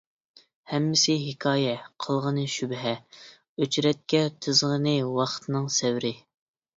ھەممىسى ھېكايە قالغىنى شۈبھە، ئۆچرەتكە تىزغىنى ۋاقىتنىڭ سەۋرى.